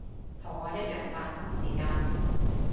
同我一樣扮工時間